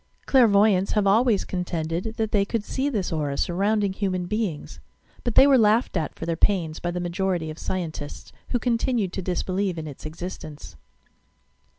Clairvoy ants have always contended that they could see this aura, surrounding human beings, but they were laughed at for their pains by the majority of scientists, who continued to disbelieve in its existence.